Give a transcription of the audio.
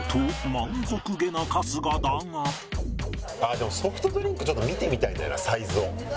でもソフトドリンクちょっと見てみたいんだよなサイズを。